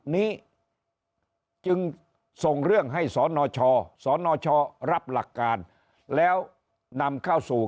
นี้จึงส่งเรื่องให้สนชสนชรับหลักการแล้วนำเข้าสู่